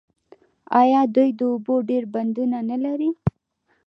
آیا دوی د اوبو ډیر بندونه نلري؟